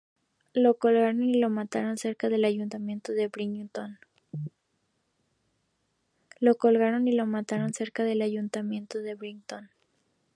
Lo colgaron y lo mataron cerca del ayuntamiento de Brighton.